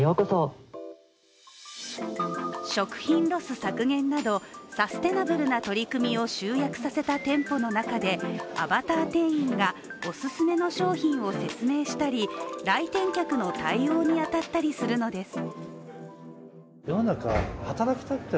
食品ロス削減など、サステイナブルな取り組みを集約させた店舗の中でアバター店員が、おすすめの商品を説明したり来店客の対応に当たったりするのです。